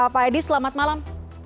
pak edi selamat malam